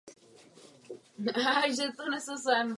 Vážený pane předsedo, proč diskutujeme o inovativním financování?